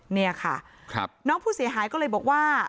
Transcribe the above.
เนี่ยค่ะน้องผู้เสียหายก็เลยบอกว่า